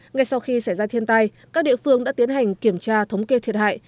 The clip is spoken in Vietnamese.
ngay sau khi xảy ra thiên tai các địa phương đã tiến hành kiểm tra thống kê thiệt hại